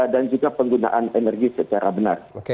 dan juga penggunaan energi secara benar